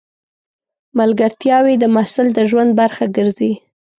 ملګرتیاوې د محصل د ژوند برخه ګرځي.